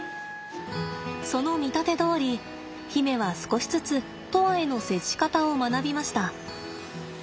その見立てどおり媛は少しずつ砥愛への接し方を学びました。